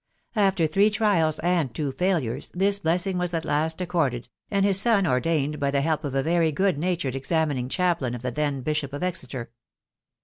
After three trials, and two failures, this blessing was at last accorded, and his son ordained, by the help of a very good natured examining chaplain of the then Bishop of Exeter.